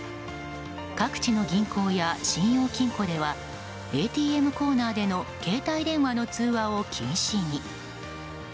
各地の銀行や信用金庫ではＡＴＭコーナーでの携帯電話の通話を禁止に。